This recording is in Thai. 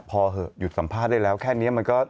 พอเหอะหยุดสัมภาษณ์ได้แล้วแค่นี้มันก็